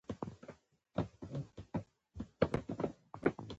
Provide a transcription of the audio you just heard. چې لیکوال د نوم په ټاکلو کې له ډېرې زیرکتیا څخه کار اخیستی